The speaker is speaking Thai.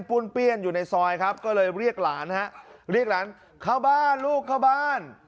้วนเปี้ยนอยู่ในซอยครับก็เลยเรียกหลานฮะเรียกหลานเข้าบ้านลูกเข้าบ้าน